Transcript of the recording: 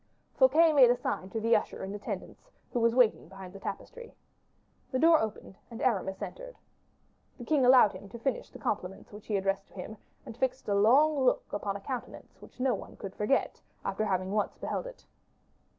Fouquet made a sign to the usher in attendance, who was waiting behind the tapestry. The door opened, and Aramis entered. The king allowed him to finish the compliments which he addressed to him, and fixed a long look upon a countenance which no one could forget, after having once beheld it.